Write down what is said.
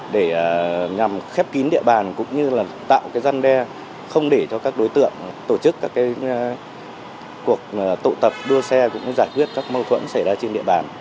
để nhằm khép kín địa bàn cũng như là tạo răn đe không để cho các đối tượng tổ chức các cuộc tụ tập đua xe cũng như giải quyết các mâu thuẫn xảy ra trên địa bàn